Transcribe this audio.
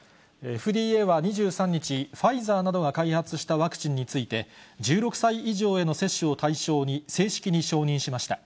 ＦＤＡは２３日、ファイザーなどが開発したワクチンについて、１６歳以上への接種を対象に、正式に承認しました。